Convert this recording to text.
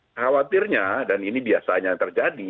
khawatirnya dan ini biasanya terjadi